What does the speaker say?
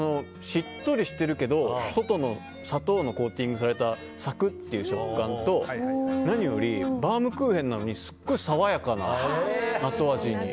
しっとりしてるけど外の砂糖のコーティングされたサクッという食感と何より、バウムクーヘンなのにすっごい爽やかな後味に。